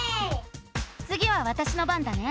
つぎはわたしの番だね。